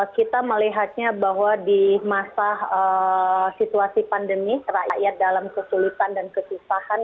kita melihatnya bahwa di masa situasi pandemi rakyat dalam kesulitan dan kesusahan